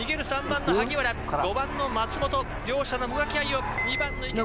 ３番の萩原５番の松本両者のもがき合いを。